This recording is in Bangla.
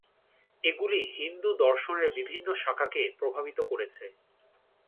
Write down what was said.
এগুলি হিন্দু দর্শনের বিভিন্ন শাখাকে প্রভাবিত করেছে।